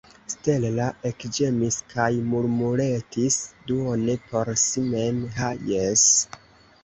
Stella ekĝemis kaj murmuretis duone por si mem: « Ha, jes! »